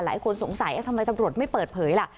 หลายคนสงสัยทำไมตำรวจไม่เปิดเผยล่ะ